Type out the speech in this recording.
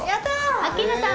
アッキーナさん